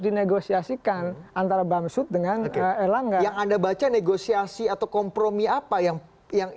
dinegosiasikan antara bamsud dengan ke tiga langgan ada baca negosiasi atau kompromi apa yang yang